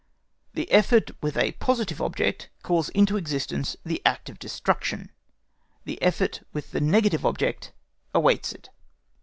The effort with a positive object calls into existence the act of destruction; the effort with the negative object awaits it.